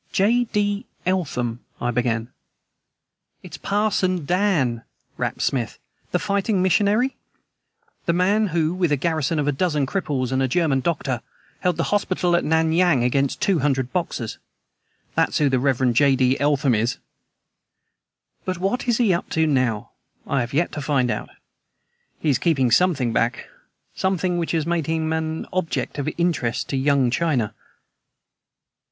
"J. D. Eltham " I began. "Is 'Parson Dan'!" rapped Smith, "the 'Fighting Missionary,' the man who with a garrison of a dozen cripples and a German doctor held the hospital at Nan Yang against two hundred Boxers. That's who the Rev. J. D. Eltham is! But what is he up to, now, I have yet to find out. He is keeping something back something which has made him an object of interest to Young China!"